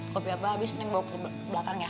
kopi apa abis neng bawa ke belakang ya